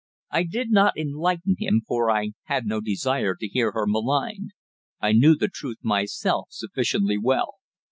I did not enlighten him, for I had no desire to hear her maligned. I knew the truth myself sufficiently well.